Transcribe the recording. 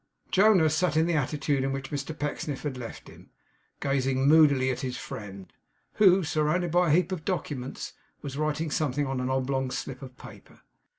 Jonas sat in the attitude in which Mr Pecksniff had left him, gazing moodily at his friend; who, surrounded by a heap of documents, was writing something on an oblong slip of paper.